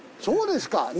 そうですか。